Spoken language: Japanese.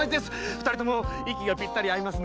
二人息がぴったり合いますね。